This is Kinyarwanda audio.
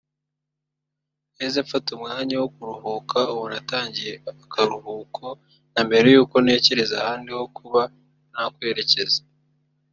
Nahise mfata umwanya wo kuruhuka ubu natangiye akaruhuko na mbere yuko ntekereza ahandi ho kuba nakwerekeza